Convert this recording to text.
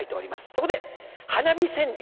そこで花火川柳。